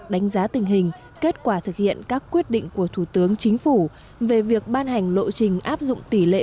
đánh giá tình hình kết quả thực hiện các quyết định của thủ tướng chính phủ về việc ban hành lộ trình áp dụng tỷ lệ